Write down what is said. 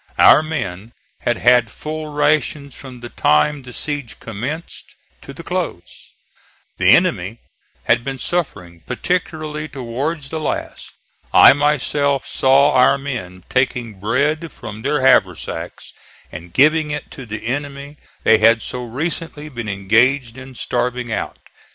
Our men had had full rations from the time the siege commenced, to the close. The enemy had been suffering, particularly towards the last. I myself saw our men taking bread from their haversacks and giving it to the enemy they had so recently been engaged in starving out.